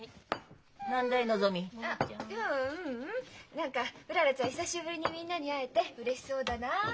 何かうららちゃん久しぶりにみんなに会えてうれしそうだなって思ったの。